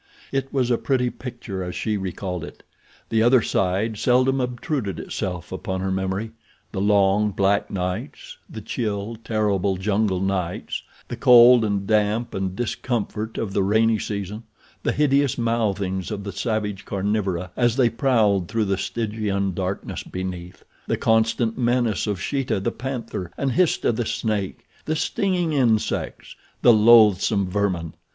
It was a pretty picture as she recalled it. The other side seldom obtruded itself upon her memory—the long, black nights—the chill, terrible jungle nights—the cold and damp and discomfort of the rainy season—the hideous mouthings of the savage carnivora as they prowled through the Stygian darkness beneath—the constant menace of Sheeta, the panther, and Histah, the snake—the stinging insects—the loathesome vermin.